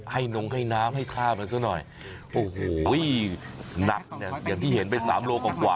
ให้นมให้น้ำให้ทามันซักหน่อยโอ้โหนักเนี่ยอย่างที่เห็นเป็น๓โลกรัมกว่า